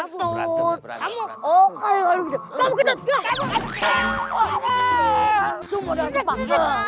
semua dari jepang